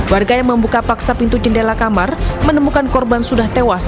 warga yang membuka paksa pintu jendela kamar menemukan korban sudah tewas